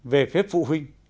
về phép phụ huynh